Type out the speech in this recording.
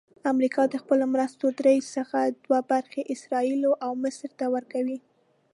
امریکا د خپلو مرستو درې څخه دوه برخې اسراییلو او مصر ته ورکوي.